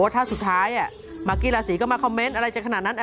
ท่าสุดท้ายอ่ะมากิลาสีก็มาคอมเม้นต์อะไรจะขนาดนั้นอ่ะ